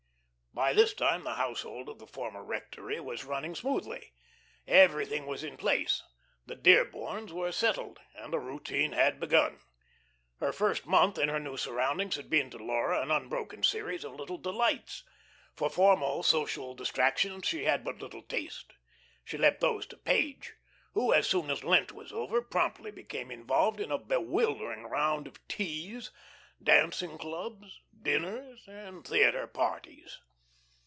By this time the household of the former rectory was running smoothly; everything was in place, the Dearborns were "settled," and a routine had begun. Her first month in her new surroundings had been to Laura an unbroken series of little delights. For formal social distractions she had but little taste. She left those to Page, who, as soon as Lent was over, promptly became involved in a bewildering round of teas, "dancing clubs," dinners, and theatre parties.